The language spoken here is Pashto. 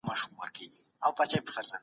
دوی د پانګوالو او دولت ترمنځ پُل دی.